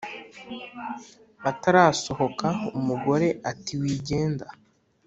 atarasohoka umugore ati"wigenda